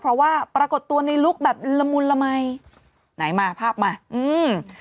เพราะว่าปรากฏตัวในลุคแบบละมุนละมัยไหนมาภาพมาอืม